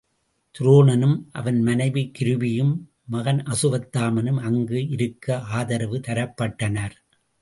துரோணனும், அவன் மனைவி கிருபியும் மகன் அசு வத்தாமனும் அங்கு இருக்க ஆதரவு தரப்பட்டனர்.